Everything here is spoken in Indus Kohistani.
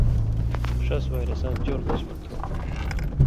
ݜس وائرساں چؤر قِسمہ تھو۔